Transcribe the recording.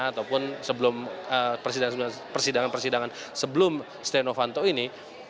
ataupun sebelum persidangan persidangan sebelum stenovanto ini